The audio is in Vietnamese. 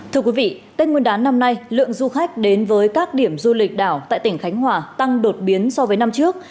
thưa quý vị tết nguyên đán năm nay lượng du khách đến với các điểm du lịch đảo tại tỉnh khánh hòa tăng đột biến so với năm trước